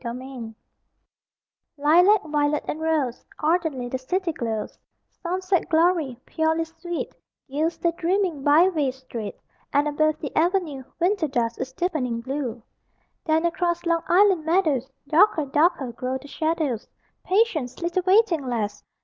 THE 5:42 Lilac, violet, and rose Ardently the city glows; Sunset glory, purely sweet, Gilds the dreaming byway street, And, above the Avenue, Winter dusk is deepening blue. (Then, across Long Island meadows, Darker, darker, grow the shadows: Patience, little waiting lass!